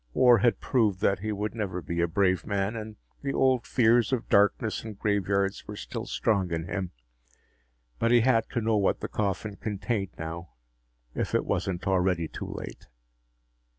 War had proved that he would never be a brave man and the old fears of darkness and graveyards were still strong in him. But he had to know what the coffin contained now, if it wasn't already too late.